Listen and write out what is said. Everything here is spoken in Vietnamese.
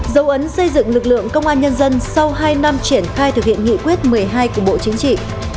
dấu ấn xây dựng lực lượng công an nhân dân sau hai năm triển khai thực hiện nghị quyết một mươi hai của bộ chính trị